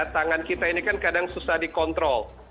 tangan kita ini kan kadang susah dikontrol